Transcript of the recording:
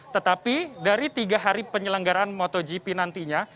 tetapi dari tiga hari penyelenggaraan motogp nantinya